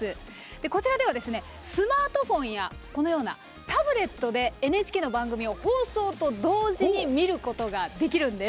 こちらではスマートフォンやタブレットでＮＨＫの番組を放送と同時に見ることができるんです。